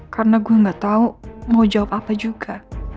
karena gue gak tau mau jawab apa juga